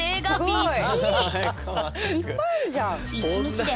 いっぱいあるじゃん。